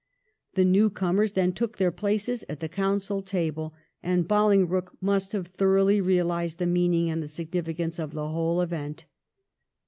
The new comers then took their places at the Council table, and Bolingbroke must have thoroughly realised the mean ing and the significance of the whole event.